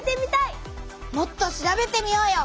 もっと調べてみようよ！